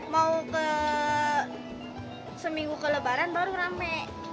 mau ke seminggu ke lebaran baru rame